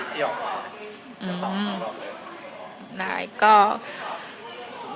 มีคนถามว่า